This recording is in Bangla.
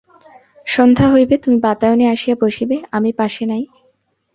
সন্ধ্যা হইবে, তুমি বাতায়নে আসিয়া বসিবে, আমি পাশে নাই?